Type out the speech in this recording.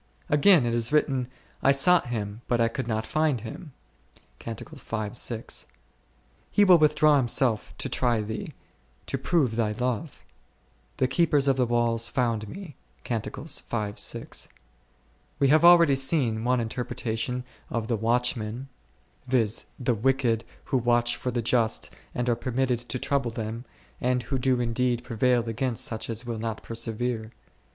Again is it written, i" sought Him but I could not find Him Q : He will withdraw Himself to try thee, to prove thy love. p Cant. v. 6. q Cant. v. 6. o o ) o On i^olg Utrgtmtg* 39 The keepers of the walls found me x : we have already seen one interpretation of the watchmen, viz. the wicked who watch for the just and are permitted to trouble them, and who do indeed prevail against such as will not persevere.